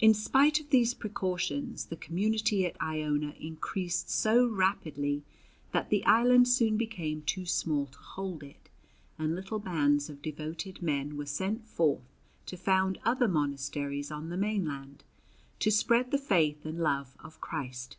In spite of these precautions the community at Iona increased so rapidly that the island soon became too small to hold it, and little bands of devoted men were sent forth to found other monasteries on the mainland, to spread the faith and love of Christ.